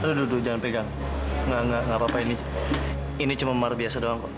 aduh jangan pegang nggak nggak nggak apa apa ini ini cuma marah biasa doang